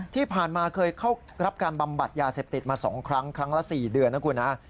ที่ผ่านมาเคยเข้ารับการบำบัดยาเสพติดมา๒ครั้งครั้งละ๔เดือนนะคุณฮะ